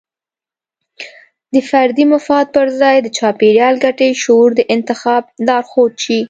د فردي مفاد پر ځای د چاپیریال ګټې شعور د انتخاب لارښود شي.